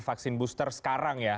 vaksin booster sekarang ya